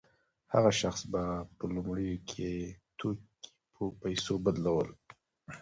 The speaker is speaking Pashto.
هغه شخص به په لومړیو کې توکي په پیسو بدلول